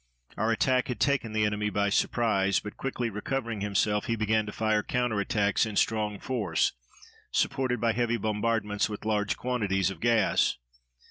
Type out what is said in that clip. Our attack had taken the enemy by surprise, but, quickly recovering himself, he began to fire counter attacks in strong force, supported by heavy bombardments, with large quantities of gas.